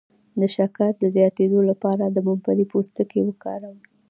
د شکر د زیاتیدو لپاره د ممپلی پوستکی وکاروئ